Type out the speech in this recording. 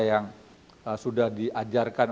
yang sudah diajarkan